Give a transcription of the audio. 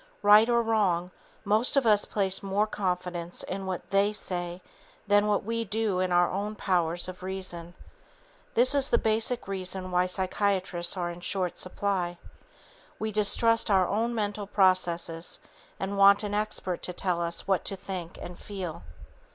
Right or wrong, most of us place more confidence in what "they" say than we do in our own powers of reason. This is the basic reason why psychiatrists are in short supply. We distrust our own mental processes and want an expert to tell us what to think and feel.